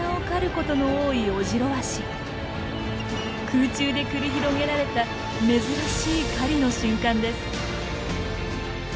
空中で繰り広げられた珍しい狩りの瞬間です。